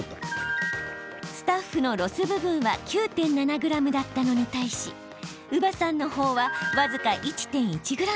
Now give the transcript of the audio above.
スタッフのロス部分は９．７ｇだったのに対し伯母さんのほうは僅か１．１ｇ。